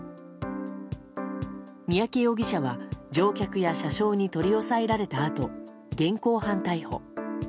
三宅容疑者は乗客や車掌に取り押さえられたあと現行犯逮捕。